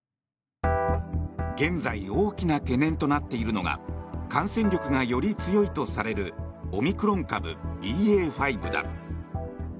現在大きな懸念となっているのが感染力がより強いとされるオミクロン株、ＢＡ．５だ。